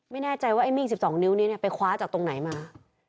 ไม่แน่ใจว่าไอ้มีด๑๒นิ้วนี้ไปคว้าจากตรงไหนมา